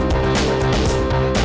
nggak akan ngediam nih